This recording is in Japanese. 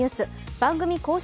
番組公式